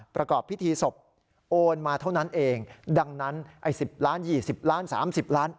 ประกอบพิธีศพโอนมาเท่านั้นเองดังนั้นไอ้๑๐ล้าน๒๐ล้าน๓๐ล้าน